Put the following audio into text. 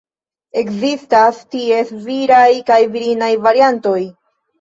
Ekzistas ties viraj kaj virinaj variantoj.